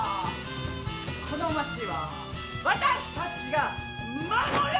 この町は私たちが守る！